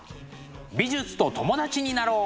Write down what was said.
美術と友達になろう！